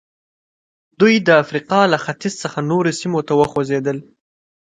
دوی د افریقا له ختیځ څخه نورو سیمو ته وخوځېدل.